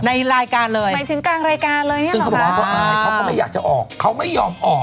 ในรายการเลย